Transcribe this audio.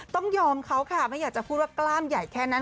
ต้องยอมเขาค่ะไม่อยากจะพูดว่ากล้ามใหญ่แค่นั้น